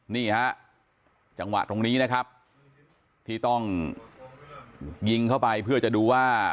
นี่ฮะจังหวะตรงนี้นะครับที่ต้องยิงเข้าไปเพื่อจะดูว่า